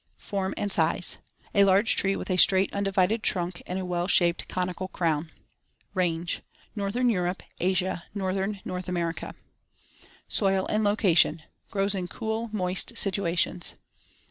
Form and size: A large tree with a straight, undivided trunk and a well shaped, conical crown (Fig. 7). Range: Northern Europe, Asia, northern North America. Soil and location: Grows in cool, moist situations.